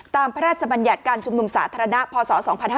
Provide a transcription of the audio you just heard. พระราชบัญญัติการชุมนุมสาธารณะพศ๒๕๕๙